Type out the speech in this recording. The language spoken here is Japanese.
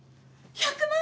１００万